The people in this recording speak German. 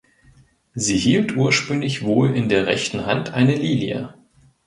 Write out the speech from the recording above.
Sie hielt ursprünglich wohl in der rechten Hand eine Lilie.